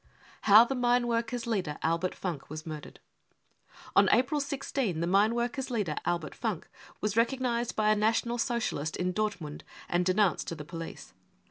55 How the mineworkers 5 leader Albert Funk was murdered. On April 16th the mineworkers 5 leader, Albert Funk, was recognised by a National Socialist in Dortmund and denounced to the police.